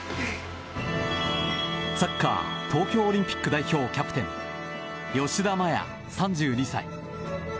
サッカー東京オリンピック代表キャプテン吉田麻也、３２歳。